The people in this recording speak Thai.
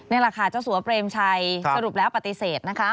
นี่แหละค่ะเจ้าสัวเปรมชัยสรุปแล้วปฏิเสธนะคะ